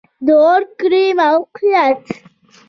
د غورک کلی موقعیت